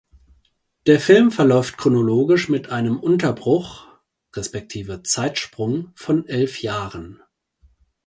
Der Film verläuft chronologisch mit einem Unterbruch, respektive Zeitsprung von elf Jahren.